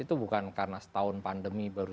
itu bukan karena setahun pandemi baru